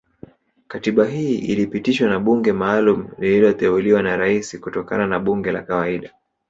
Katiba hii ilipitishwa na bunge maalumu lililoteuliwa na Rais kutokana na bunge la kawaida